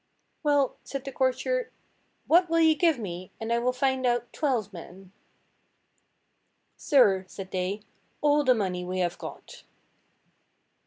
"Well," said the courtier, "what will you give me, and I will find out twelve men?" "Sir," said they, "all the money we have got."